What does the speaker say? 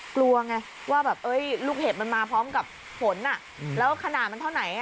กลัวไงว่าแบบลูกเห็บมันมาพร้อมกับฝนแล้วขนาดมันเท่าไหน